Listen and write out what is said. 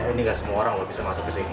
ini gak semua orang bisa masuk ke sini